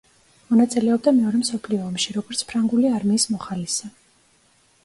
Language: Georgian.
მონაწილეობდა მეორე მსოფლიო ომში, როგორც ფრანგული არმიის მოხალისე.